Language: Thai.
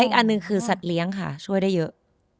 อีกอันหนึ่งคือสัตว์เลี้ยงค่ะช่วยได้เยอะ